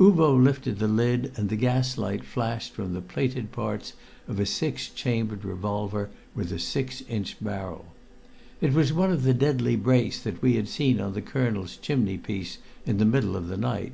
Uvo lifted the lid and the gas light flashed from the plated parts of a six chambered revolver with a six inch barrel. It was one of the deadly brace that we had seen on the colonel's chimneypiece in the middle of the night.